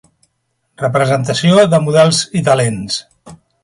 Representació de models i talents.